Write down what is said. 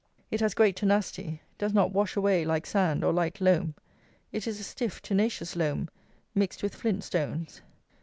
It has great tenacity; does not wash away like sand, or light loam. It is a stiff, tenacious loam, mixed with flint stones.